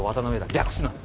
略すな！